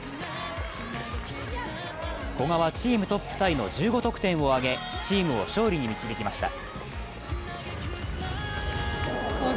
古賀はチームトップタイの１５得点を挙げ、チームを勝利に導きました。